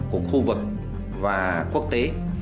của khu vực và quốc tế